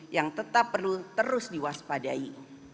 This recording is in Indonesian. yang tetap perlu terus diwaspadai